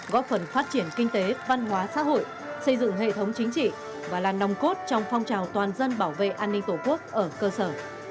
góp phần phát triển kinh tế văn hóa xã hội xây dựng hệ thống chính trị và là nồng cốt trong phong trào toàn dân bảo vệ an ninh tổ quốc ở cơ sở